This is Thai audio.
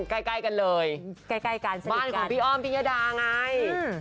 ใกล้กันเลยบ้านของพี่อ้อมพี่ญดดาร์ไงใกล้ค่ะสนิทกัน